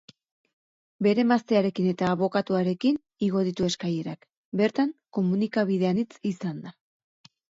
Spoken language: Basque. Bere emaztearekin eta abokatuarekin igo ditu eskailerak, bertan komunikabide anitz izanda.